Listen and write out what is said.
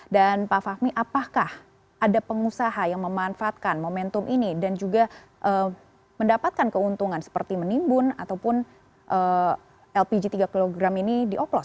dan pak fahmi apakah ada pengusaha yang memanfaatkan momentum ini dan juga mendapatkan keuntungan seperti menimbun ataupun lpg tiga kg ini dioplos